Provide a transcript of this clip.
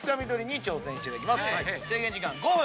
制限時間は５分。